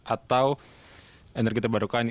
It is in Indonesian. atau energi terbarukan